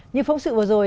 như phóng sự vừa rồi